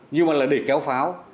nhưng mà là để kéo pháo